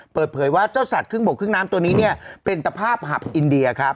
เปิดเผยว่าเจ้าสัตวครึ่งบกครึ่งน้ำตัวนี้เนี่ยเป็นตภาพหับอินเดียครับ